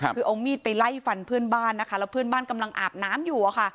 คือเอามีดไปไล่ฟันเพื่อนบ้านนะคะแล้วเพื่อนบ้านกำลังอาบน้ำอยู่อะค่ะ